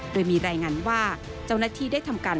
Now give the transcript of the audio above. โดยมีรายงานว่าเจ้าหน้าที่ได้ทำการ